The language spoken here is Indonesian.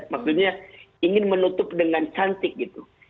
maksudnya ingin menutup dengan cantik gitu